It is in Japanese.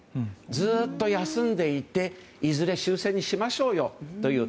ずっと休んでいて、いずれ終戦にしましょうよという。